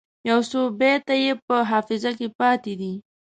یو څو بیته یې په حافظه کې پاته دي.